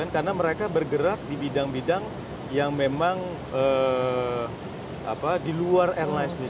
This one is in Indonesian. karena mereka bergerak di bidang bidang yang memang di luar airlines